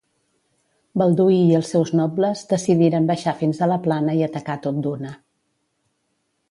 Balduí i els seus nobles decidiren baixar fins a la plana i atacar tot d'una.